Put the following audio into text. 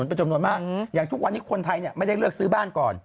เป็นจำนวนมากอย่างทุกวันนี้คนไทยเนี่ยไม่ได้เลือกซื้อบ้านก่อน